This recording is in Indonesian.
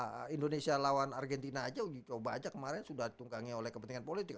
pertama kalau piala indonesia lawan argentina aja coba aja kemarin sudah tunggangnya oleh kepentingan politik